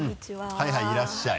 はいはいいらっしゃい。